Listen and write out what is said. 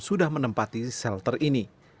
sudah menempati shelter ini